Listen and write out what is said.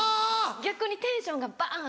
逆にテンションがバン！